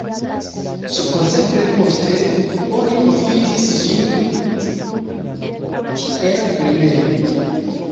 Supozeble poste oni profitis ĝin kiel grenejo.